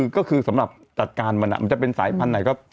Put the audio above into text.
ก็คือสำหรับจัดการมันมันจะเป็นสายพันธุ์ไหนก็